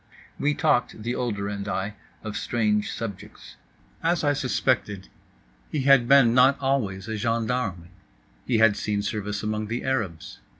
We talked, the older and I, of strange subjects. As I suspected, he had been not always a gendarme. He had seen service among the Arabs.